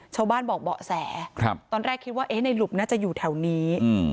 ชาวบ้านบอกเบาะแสตอนแรกคิดว่าเอ๊ะในหลุบน่าจะอยู่แถวนี้